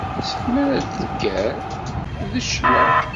Seg mi ara ad d-tekker d ccna.